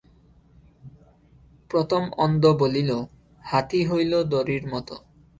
প্রথম অন্ধ বলিল, হাতী হইল দড়ির মত।